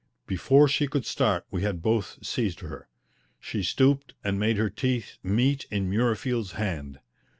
Before she could start we had both seized her. She stooped and made her teeth meet in Murreyfield's hand.